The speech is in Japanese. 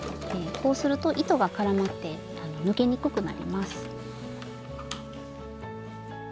こうすると糸が絡まって抜けにくくなります。